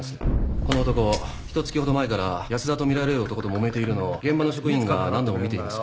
この男ひと月ほど前から安田と見られる男ともめているのを現場の職員が何度も見ています。